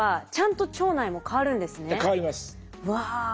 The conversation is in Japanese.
うわ。